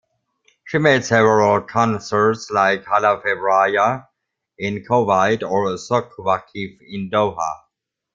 She made several concerts like "Hala Febrayer" in Koweit or "Souq Waqif" in Doha.